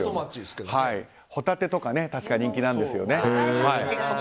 ホタテとか確かに人気なんですよね。